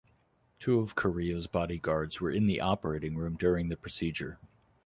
Two of Carrillo's bodyguards were in the operating room during the procedure.